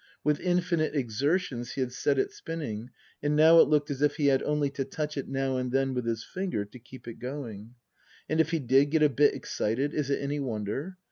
With infinite exertions he had set it spinning, and now it looked as if he had only to touch it now and then with his finger to keep it going. And if he did get a bit excited is it any wonder